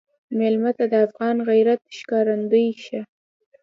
مېلمه ته د افغان غیرت ښکارندوی شه.